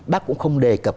bác cũng không đề cập